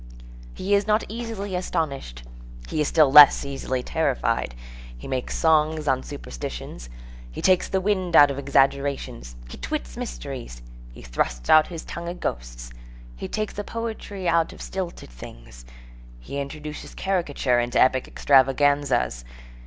He is not easily astonished, he is still less easily terrified, he makes songs on superstitions, he takes the wind out of exaggerations, he twits mysteries, he thrusts out his tongue at ghosts, he takes the poetry out of stilted things, he introduces caricature into epic extravaganzas.